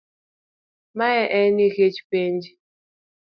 Mae en nikech penj